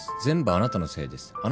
全部あなたのせいです。